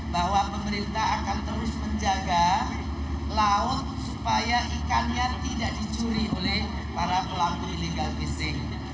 bahwa pemerintah akan terus menjaga laut supaya ikannya tidak dicuri oleh para pelaku illegal fishing